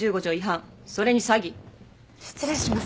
失礼します。